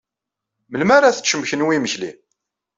Melmi arq teččem kenwi imekli?